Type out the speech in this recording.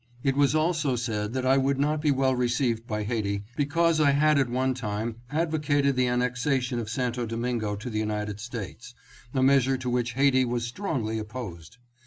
It was also said that I would not be well received by Haiti because I had at one time advocated the annexation of Santo Domingo to the United States, a measure to which Haiti was strongly opposed.